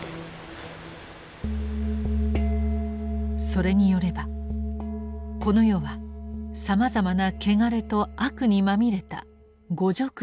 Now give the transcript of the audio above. それによればこの世はさまざまな穢れと悪にまみれた「五濁悪世」。